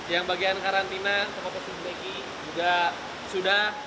yang bagian karantina tempat pesutreki juga sudah